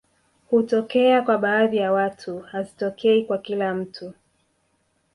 Hutokea kwa baadhi ya watu hazitokei kwa kila mtu